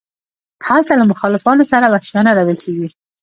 هلته له مخالفانو سره وحشیانه رویه کیږي.